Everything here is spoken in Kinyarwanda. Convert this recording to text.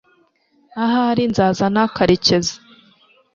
ahari nzazana karekezi